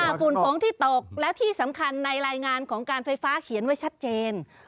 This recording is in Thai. ฝุ่นฟ้องที่ตกและที่สำคัญในรายงานของการไฟฟ้าเขียนไว้ชัดเจน